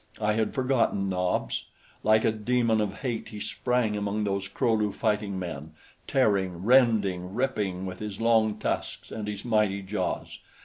I had forgotten Nobs. Like a demon of hate he sprang among those Kro lu fighting men, tearing, rending, ripping with his long tusks and his mighty jaws.